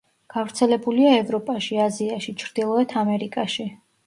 გავრცელებულია ევროპაში, აზიაში, ჩრდილოეთ ამერიკაში.